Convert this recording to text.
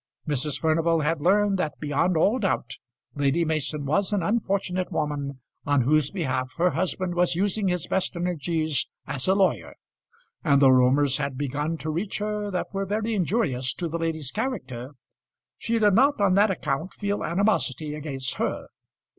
Mrs. Furnival had learned that beyond all doubt Lady Mason was an unfortunate woman on whose behalf her husband was using his best energies as a lawyer; and though rumours had begun to reach her that were very injurious to the lady's character, she did not on that account feel animosity against her.